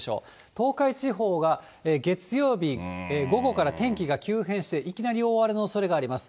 東海地方が月曜日、午後から天気が急変して、いきなり大荒れのおそれがあります。